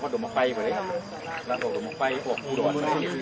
สวัสดีครับทุกคน